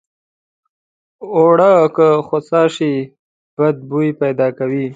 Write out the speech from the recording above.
اوړه که خوسا شي بد بوي پیدا کوي